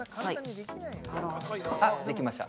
はいあっできました